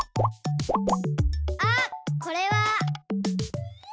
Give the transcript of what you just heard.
あっこれは。